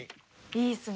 いいですね。